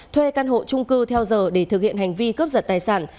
thuê căn hộ trung cư theo giờ để thực hiện hành vi cướp giật tài sản